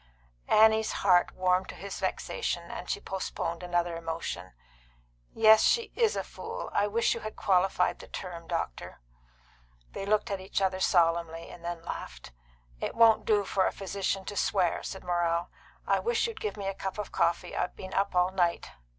Annie's heart warmed to his vexation, and she postponed another emotion. "Yes, she is a fool. I wish you had qualified the term, doctor." They looked at each other solemnly, and then laughed. "It won't do for a physician to swear," said Morrell. "I wish you'd give me a cup of coffee. I've been up all night."